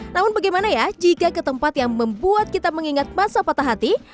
namun bagaimana ya jika ke tempat yang membuat kita mengingat masa patah hati